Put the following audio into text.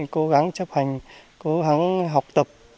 cố gắng chấp hành cố gắng học tập